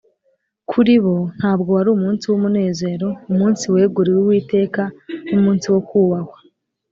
Kuri bo, ntabwo wari umunsi w’umunezero, umunsi weguriwe Uwiteka, n’umunsi wo kubahwa.